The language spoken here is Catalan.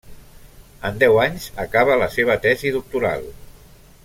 En deu anys, acaba la seva tesi doctoral.